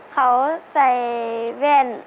เขาใส่แว่น